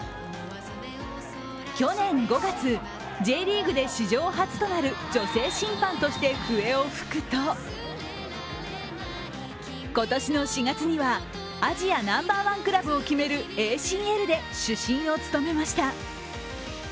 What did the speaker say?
去年５月、Ｊリーグで史上初となる女性審判として笛を吹くと、今年の４月には、アジアナンバーワンクラブを決めるＡＣＬで主審を務めました。